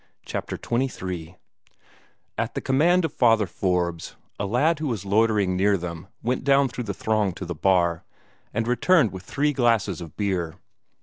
CHAPTER XXIII At the command of Father Forbes, a lad who was loitering near them went down through the throng to the bar, and returned with three glasses of beer.